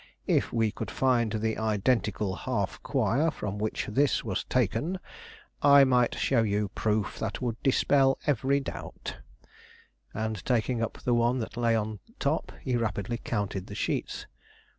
"If we could find the identical half quire from which this was taken, I might show you proof that would dispel every doubt," and taking up the one that lay on top, he rapidly counted the sheets.